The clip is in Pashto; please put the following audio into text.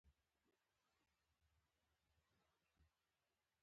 دښته د سرو ریګو غږ لري.